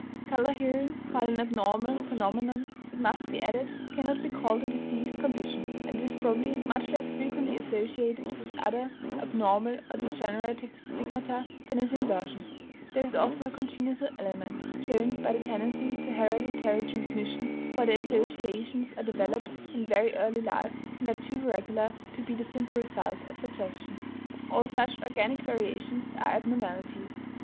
Color hearing, while an abnormal phenomenon, it must be added, cannot be called a diseased condition, and it is probably much less frequently associated with other abnormal or degenerative stigmata than is inversion; there is often a congenital element, shown by the tendency to hereditary transmission, while the associations are developed in very early life, and are too regular to be the simple result of suggestion. All such organic variations are abnormalities.